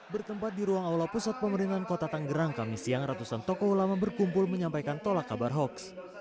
bertempat di ruang aula pusat pemerintahan kota tanggerang kami siang ratusan tokoh ulama berkumpul menyampaikan tolak kabar hoax